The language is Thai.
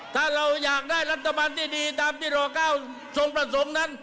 ถ้าเราอยากได้รัฐบาลที่ดีตามที่ด๙ทรงประสงค์นั้น